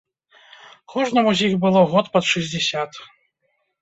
Кожнаму з іх было год пад шэсцьдзесят.